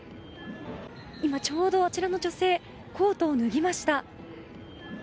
今ちょうど、あちらの女性コートを脱ぎました。